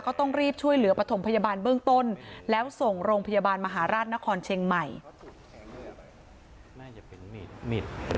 ก็ต้องรีบช่วยเหลือปธพยาบาลเบื้องต้นแล้วส่งโรงพยาบาลมหาราชนครเชียงใหม่